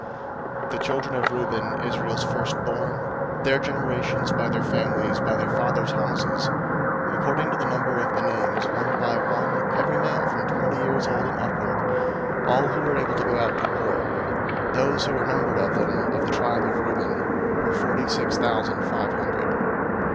001:020 The children of Reuben, Israel's firstborn, their generations, by their families, by their fathers' houses, according to the number of the names, one by one, every male from twenty years old and upward, all who were able to go out to war; 001:021 those who were numbered of them, of the tribe of Reuben, were forty six thousand five hundred.